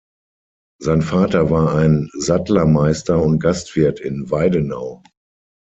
Sein Vater war ein Sattlermeister und Gastwirt in Weidenau.